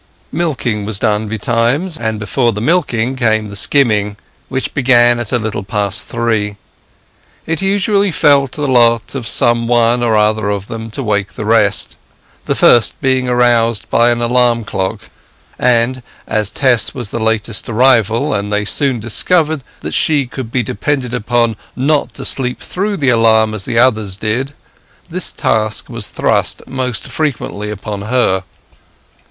Milking was done betimes; and before the milking came the skimming, which began at a little past three. It usually fell to the lot of some one or other of them to wake the rest, the first being aroused by an alarm clock; and, as Tess was the latest arrival, and they soon discovered that she could be depended upon not to sleep through the alarm as others did, this task was thrust most frequently upon her.